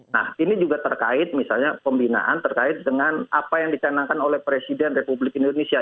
nah ini juga terkait misalnya pembinaan terkait dengan apa yang dicanangkan oleh presiden republik indonesia